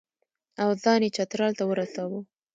او ځان یې چترال ته ورساوه.